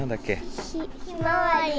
ひまわり。